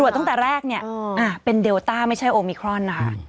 ตั้งแต่แรกเนี่ยเป็นเดลต้าไม่ใช่โอมิครอนนะคะ